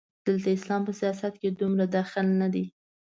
دلته اسلام په سیاست کې دومره دخیل نه دی.